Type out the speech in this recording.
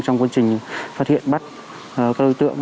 trong quá trình phát hiện bắt các đối tượng